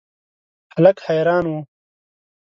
هلک حیران و.